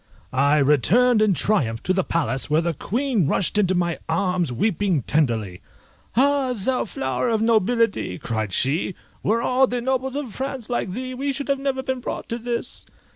I returned in triumph to the palace, where the Queen rushed into my arms, weeping tenderly. "Ah, thou flower of nobility," cried she, "were all the nobles of France like thee, we should never have been brought to this!"